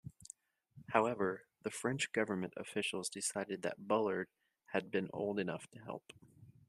However, the French government officials decided that Bullard had been old enough to help.